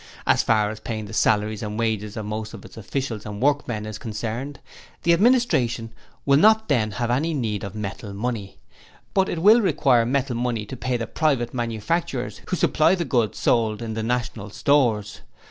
As far as paying the salaries and wages of most of its officials and workmen is concerned, the Administration will not then have any need of metal money. But it will require metal money to pay the private manufacturers who supply the goods sold in the National Stores.